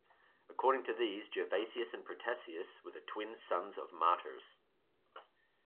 According to these, Gervasius and Protasius were the twin sons of martyrs.